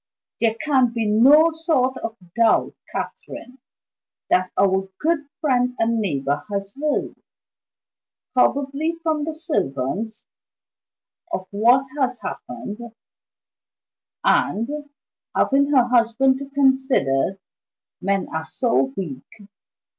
"There can be no sort of doubt, Catherine, that our good friend and neighbor has heard, probably from the servants, of what has happened; and (having her husband to consider men are so weak!)